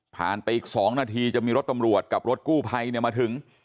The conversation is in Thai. ไปอีก๒นาทีจะมีรถตำรวจกับรถกู้ภัยมาถึง